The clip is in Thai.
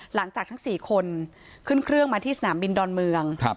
หลังจากทั้ง๔คนขึ้นเครื่องมาที่สนามบินดอนเมือง